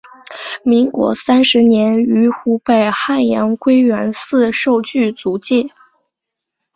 民国三十年于湖北汉阳归元寺受具足戒。